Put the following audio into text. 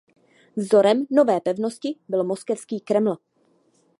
Vzorem nové pevnosti byl Moskevský kreml.